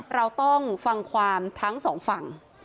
เราต้องฟังความทั้งสองฝั่ง